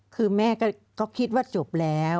คือแม่ก็คิดว่าจบแล้ว